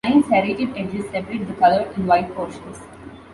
Nine serrated edges separate the colored and white portions.